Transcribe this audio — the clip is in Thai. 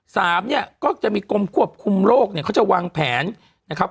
สามเนี่ยก็จะมีกรมควบคุมโรคเนี่ยเขาจะวางแผนนะครับ